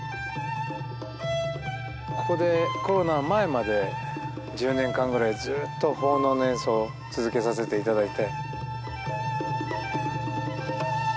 ここでコロナ前まで１０年間ぐらいずーっと奉納の演奏続けさせていただいて。